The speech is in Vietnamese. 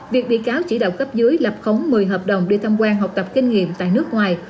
việc bị cáo chỉ đạo cấp dưới lập khống một mươi hợp đồng đi tham quan học tập kinh nghiệm tại nước ngoài